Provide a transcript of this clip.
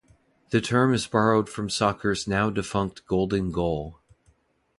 The term is borrowed from soccer's now defunct golden goal.